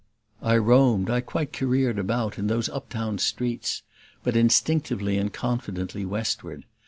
I roamed, I quite careered about, in those uptown streets, but instinctively and confidently westward.